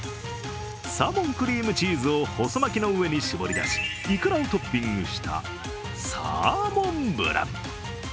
サーモンクリームチーズを細巻きの上に絞り出しいくらをトッピングした、サーモンブラン。